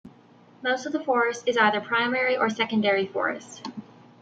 Most of the forest is either primary or secondary forest.